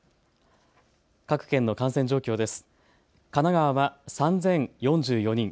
各県の感染状況です。